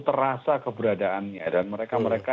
terasa keberadaannya dan mereka